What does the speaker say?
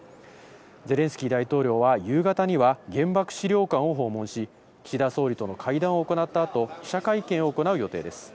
ゼレンスキー大統領は夕方には原爆資料館を訪問し、岸田総理との会談を行った後、記者会見を行う予定です。